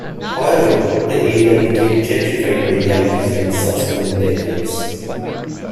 However, the area became gentrified by 'yuppies' in subsequent decades.